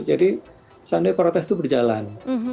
jadi sunday protes itu berjalan